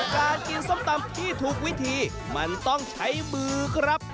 การกินส้มตำที่ถูกวิธีมันต้องใช้มือครับ